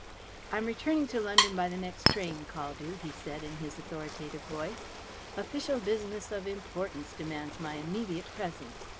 "I am returning to London by the next train, Caldew," he said, in his authoritative voice. "Official business of importance demands my immediate presence.